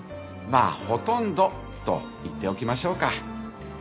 まあほとんどと言っておきましょうか。